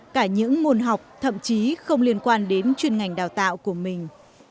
cả những môn học thậm chí không liên quan đến chuyên ngành đào tạo của mình